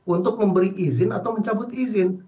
untuk memberi izin atau mencabut izin